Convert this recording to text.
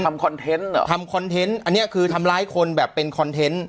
คอนเทนต์เหรอทำคอนเทนต์อันนี้คือทำร้ายคนแบบเป็นคอนเทนต์